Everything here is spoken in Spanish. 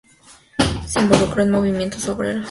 Se involucró en movimientos obreros.